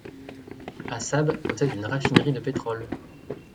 Assab possède une raffinerie de pétrole.